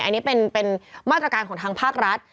อันนี้เป็นมาตรการของทางภาครัฐ